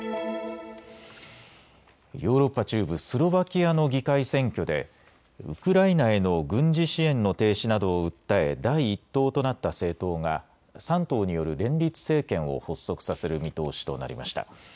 ヨーロッパ中部スロバキアの議会選挙でウクライナへの軍事支援の停止などを訴え第１党となった政党が３党による連立政権を発足させる見通しとなりました。